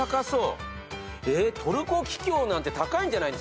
トルコキキョウなんて高いんじゃないですか？